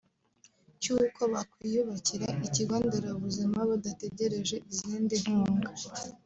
cy’uko bakwiyubakira Ikigo Nderabuzima badategereje izindi nkunga